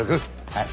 はい。